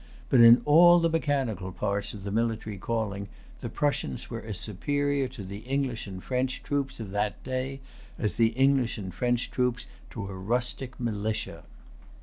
But in all the mechanical parts of the military calling, the Prussians were as superior to the English and French[Pg 274] troops of that day as the English and French troops to a rustic militia.